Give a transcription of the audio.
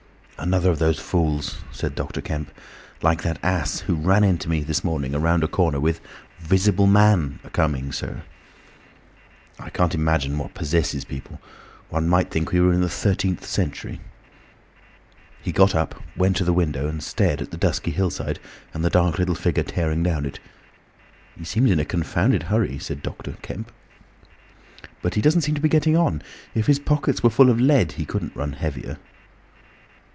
"Another of those fools," said Dr. Kemp. "Like that ass who ran into me this morning round a corner, with the ''Visible Man a coming, sir!' I can't imagine what possesses people. One might think we were in the thirteenth century." He got up, went to the window, and stared at the dusky hillside, and the dark little figure tearing down it. "He seems in a confounded hurry," said Dr. Kemp, "but he doesn't seem to be getting on. If his pockets were full of lead, he couldn't run heavier."